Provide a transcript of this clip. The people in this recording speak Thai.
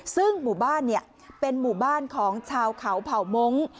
ซึ่งหมู่บ้านเป็นหมู่บ้านของชาวเขาเผ่ามงค์